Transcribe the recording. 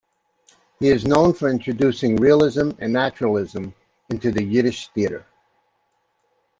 He is known for introducing realism and naturalism into Yiddish theater.